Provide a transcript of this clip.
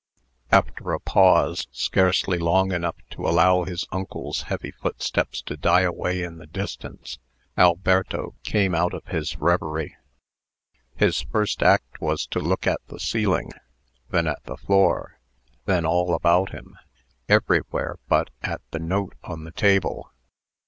After a pause, scarcely long enough to allow his uncle's heavy footsteps to die away in the distance, Alberto came out of his revery. His first act was to look at the ceiling, then at the floor, then all about him everywhere but at the note on the table.